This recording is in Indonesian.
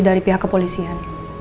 dari pihak kepolisian